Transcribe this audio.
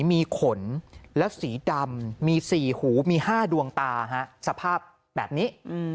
มีขนและสีดำมี๔หูมี๕ดวงตาสภาพแบบนี้